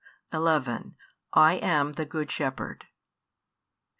11 I am the Good Shepherd.